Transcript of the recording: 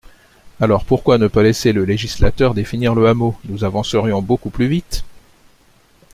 Alors, pourquoi ne pas laisser le législateur définir le hameau ? Nous avancerions beaucoup plus vite.